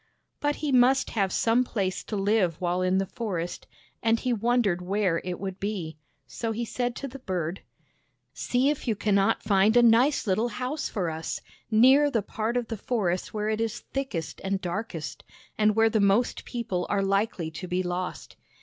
But he must have some place to live while in the forest, and he wondered where it would be. So he said to the bird: " See if you can not find a nice little house for us, near the part of the forest where it is thickest and darkest, and where the most people are likely to be lost.